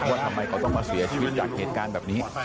ว่าทำไมเขาต้องมาเสียชีวิตจากเหตุการณ์แบบนี้